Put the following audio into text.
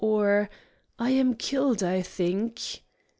or 'I am killed, I think.'